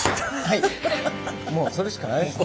もうそれしかないですね。